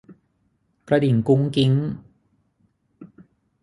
กระดิ่งกุ๊งกิ๊ง